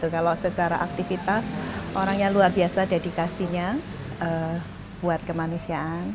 kalau secara aktivitas orangnya luar biasa dedikasinya buat kemanusiaan